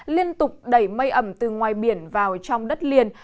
liên tục đẩy mây ẩm từ ngoài biển vào trong đất liền